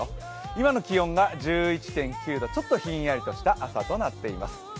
今の気温が１１．９度ちょっとひんやりとした朝となっています。